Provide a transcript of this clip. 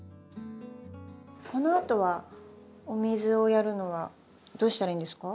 このあとはお水をやるのはどうしたらいいんですか？